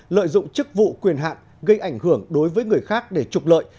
lợi dụng chức vụ quyền hạn gây ảnh hưởng đối với người khác để trục lợi